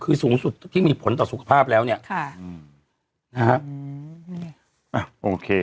คือสูงสุดที่มีผลต่อสุขภาพแล้วเนี้ยค่ะอืมนะฮะอืมอ่ะโอเค